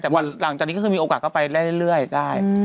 แต่วันหลังจากนี้ก็คือมีโอกาสก็ไปเรื่อยได้